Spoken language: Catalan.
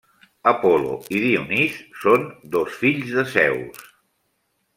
Apol·lo i Dionís són dos fills de Zeus.